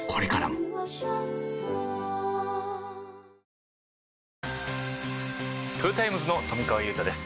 ハハハトヨタイムズの富川悠太です